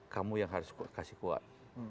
kamu yang harus kasih kuat